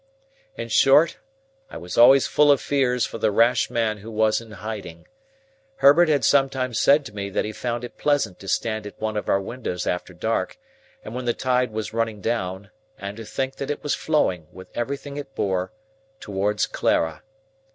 In short, I was always full of fears for the rash man who was in hiding. Herbert had sometimes said to me that he found it pleasant to stand at one of our windows after dark, when the tide was running down, and to think that it was flowing, with everything it bore, towards Clara.